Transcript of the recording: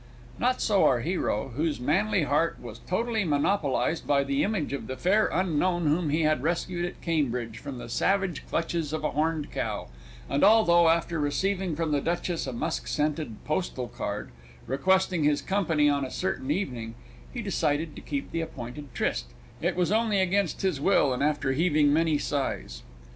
Not so our hero, whose manly heart was totally monopolised by the image of the fair unknown whom he had rescued at Cambridge from the savage clutches of a horned cow, and although, after receiving from the Duchess a musk scented postal card, requesting his company on a certain evening, he decided to keep the appointed tryst, it was only against his will and after heaving many sighs.